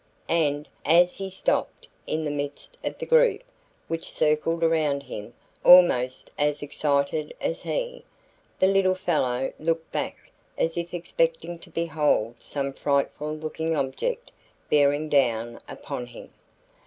And as he stopped in the midst of the group which circled around him almost as excited as he, the little fellow looked back as if expecting to behold some frightful looking object bearing down upon him.